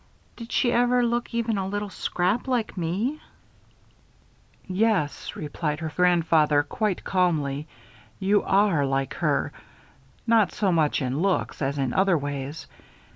Did she ever look even a tiny little scrap like me?" "Yes," replied her grandfather, quite calmly, "you are like her. Not so much in looks as in other ways.